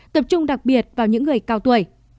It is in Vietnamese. tập trung đặc biệt vào những người cao tuổi